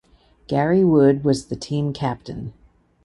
Gary Wood was the team captain.